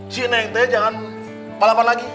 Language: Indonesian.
si neng teh jangan balapan lagi